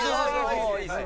いいです！